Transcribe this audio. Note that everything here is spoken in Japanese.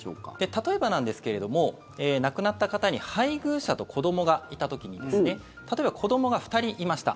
例えばなんですけれども亡くなった方に配偶者と子どもがいた時に例えば子どもが２人いました。